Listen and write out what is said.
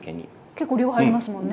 結構量が入りますもんね。